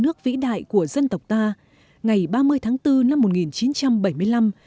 nước vĩ đại của dân tộc ta ngày ba mươi tháng bốn năm một nghìn chín trăm bảy mươi năm